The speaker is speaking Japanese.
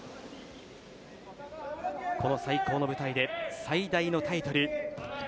この最高の舞台で最大のタイトル